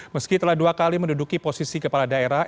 meski telah dua kali menduduki posisi kepala daerah